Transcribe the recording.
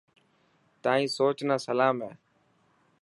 تائن سوچ نا سلام هي.